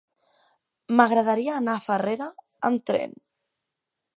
M'agradaria anar a Farrera amb tren.